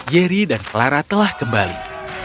yeri dan clara telah kembali